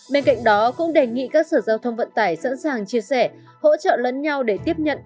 bên cạnh đó cũng đề nghị các sở giao thông vận tải sẵn sàng chia sẻ hỗ trợ lẫn nhau để tiếp nhận